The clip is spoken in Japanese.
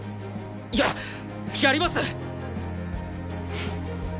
やっやります！